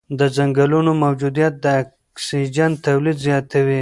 د ځنګلونو موجودیت د اکسیجن تولید زیاتوي.